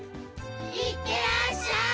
いってらっしゃい！